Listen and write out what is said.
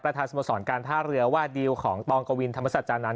ทางสโมสรการท่าเรือว่าดีลของตองกวินธรรมสัจจานั้น